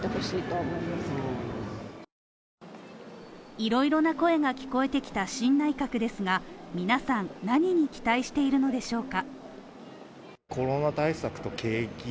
いろいろな声が聞こえてきた新内閣ですが皆さん何に期待しているのでしょうか？